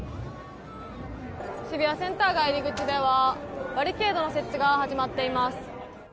渋谷センター街入り口ではバリケードの設置が始まっています。